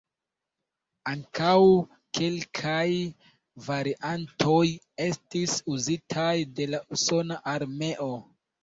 Ankaŭ kelkaj variantoj estis uzitaj de la Usona Armeo.